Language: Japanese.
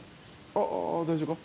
あ大丈夫か？